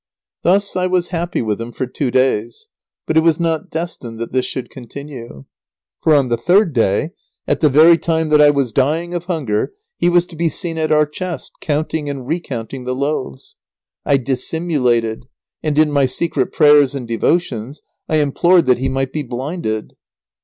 Thus I was happy with him for two days, but it was not destined that this should continue. [Sidenote: The clergyman counts the loaves of bread.] For on the third day, at the very time that I was dying of hunger, he was to be seen at our chest, counting and recounting the loaves. I dissimulated, and, in my secret prayers and devotions, I implored that he might be blinded.